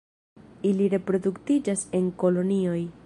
Ili reproduktiĝas en kolonioj.